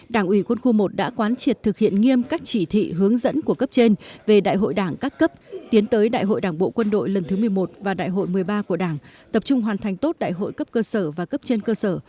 đảng ủy quân khu một đã quán triệt thực hiện nghiêm các chỉ thị hướng dẫn của cấp trên về đại hội đảng các cấp tiến tới đại hội đảng bộ quân đội lần thứ một mươi một và đại hội một mươi ba của đảng tập trung hoàn thành tốt đại hội cấp cơ sở và cấp trên cơ sở